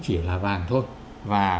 chỉ là vàng thôi và